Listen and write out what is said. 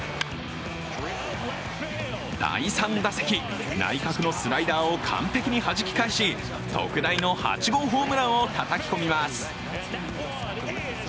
第３打席、内角のスライダーを完璧にはじき返し、特大の８号ホームランをたたき込みます。